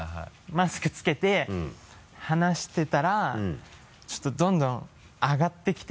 マスクつけて話してたらちょっとどんどん上がってきて。